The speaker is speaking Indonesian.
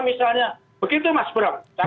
misalnya begitu mas bram